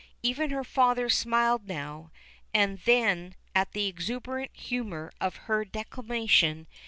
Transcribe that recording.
Even her father smiled now and then at the exuberant humour of her declamation.